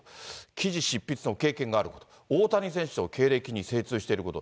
記事執筆の経験があること、大谷選手の経歴に精通していること。